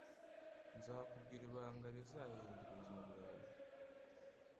Nzakubwira ibanga rizahindura ubuzima bwawe.